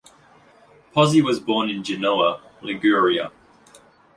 Pozzi was born in Genoa, Liguria.